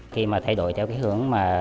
khi mà thay đổi theo cái hướng mà